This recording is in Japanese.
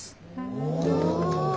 お。